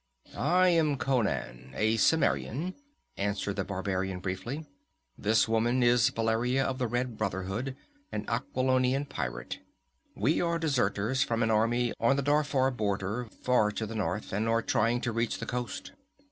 "I am Conan, a Cimmerian," answered the barbarian briefly. "This woman is Valeria of the Red Brotherhood, an Aquilonian pirate. We are deserters from an army on the Darfar border, far to the north, and are trying to reach the coast."